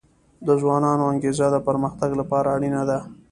د ځوانانو انګیزه د پرمختګ لپاره اړینه ده.